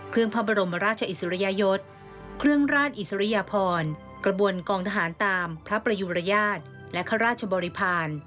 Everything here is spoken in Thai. พระบรมราชอิสริยยศเครื่องราชอิสริยพรกระบวนกองทหารตามพระประยุรยาทและข้าราชบริพาณ